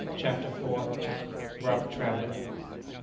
CHAPTER IV. ROUGH TRAVELLING.